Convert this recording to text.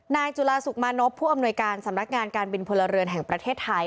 จุฬาสุขมานพผู้อำนวยการสำนักงานการบินพลเรือนแห่งประเทศไทย